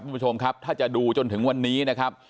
คุณผู้ชมครับถ้าจะดูจนถึงวันนี้นะครับ